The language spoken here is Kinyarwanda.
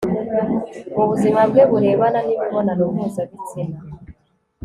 mu buzima bwe burebana n imibonano mpuzabitsina